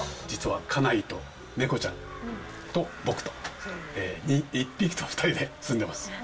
実は家内と猫ちゃんと僕と、１匹と２人で住んでいます。